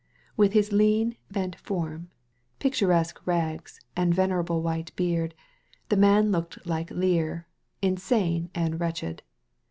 With his lean, bent form, picturesque rags, and venerable white beard, the man looked like Lear, insane and wretched.